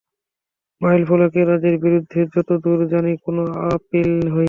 মাইলফলক এ রায়ের বিরুদ্ধে যত দূর জানি কোনো আপিল হয়নি।